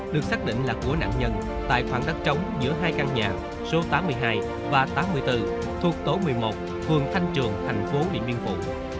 được xác định là của nạn nhân tại khoảng đất trống giữa hai căn nhà số tám mươi hai và tám mươi bốn thuộc tổ một mươi một phường thanh trường thành phố điện biên phủ